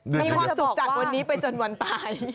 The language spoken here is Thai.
มีความสุขจากวันนี้ไปจนวันตาย